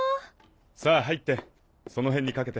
さぁ入ってその辺にかけて。